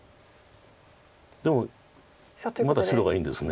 でもまだ白がいいんです。